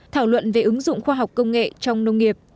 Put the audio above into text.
thảo luận về ứng dụng khoa học công nghệ trong nông nghiệp